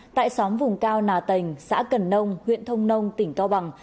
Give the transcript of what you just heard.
tại xóm vùng cao nà tành xã cần nông huyện thông nông tỉnh cao bằng